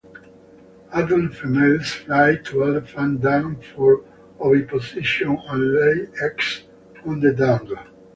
Adult females fly to elephant dung for oviposition and lay eggs on the dung.